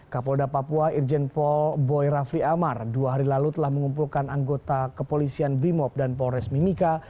kapolda papua irjen pol boy rafli amar dua hari lalu telah mengumpulkan anggota kepolisian brimob dan polres mimika